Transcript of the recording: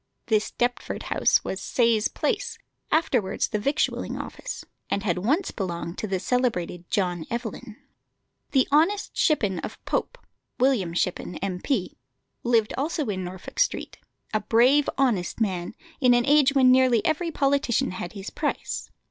This Deptford house was Sayes Place, afterwards the Victualling Office, and had once belonged to the celebrated John Evelyn. The "Honest Shippen" of Pope William Shippen, M.P. lived also in Norfolk Street: a brave, honest man, in an age when nearly every politician had his price.